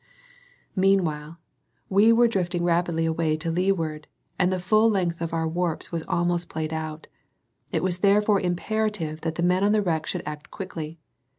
Meanwhile, we were drifting rapidly away to leeward, and the full length of our warps was almost paid out; it was therefore imperative that the men on the wreck should act quickly.